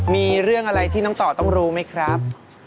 มีเรื่องอะไรที่น้องต่อต้องรู้ไหมครับ